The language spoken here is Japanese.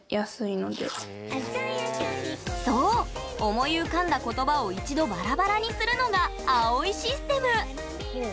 思い浮かんだ言葉を一度バラバラにするのが「葵システム」。